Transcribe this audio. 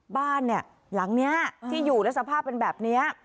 บ้านหลังนี้ที่อยู่แล้วสภาพเป็นแบบนี้